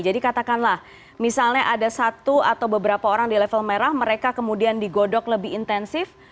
jadi katakanlah misalnya ada satu atau beberapa orang di level merah mereka kemudian digodok lebih intensif